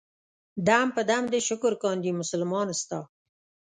دم په دم دې شکر کاندي مسلمان ستا.